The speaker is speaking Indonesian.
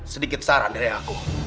sedikit saran dari aku